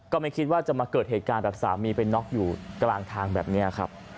ก็ไม่คิดว่าจะมาเกิดเหตุการณ์แบบสามีไปน็อกอยู่กลางทางแบบนี้ครับ